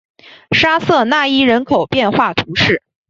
沙瑟讷伊人口变化图示